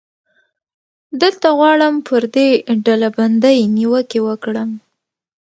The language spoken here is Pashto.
دلته غواړم پر دې ډلبندۍ نیوکې وکړم.